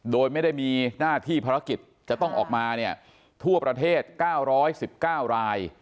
โดยไม่ได้มีหน้าที่ภารกิจจะต้องออกมาเนี่ยทั่วประเทศ๙๑๙ราย